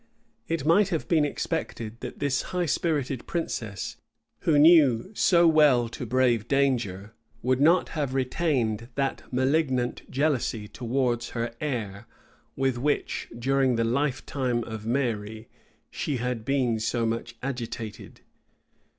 It might have been expected that this high spirited princess, who knew so well to brave danger, would not have retained that malignant jealousy towards her heir, with which, during the lifetime of Mary, she had been so much agitated.